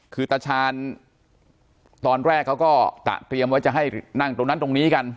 คือตาชาญตอนแรกเขาก็ตะเตรียมไว้จะให้นั่งตรงนั้นตรงนี้กัน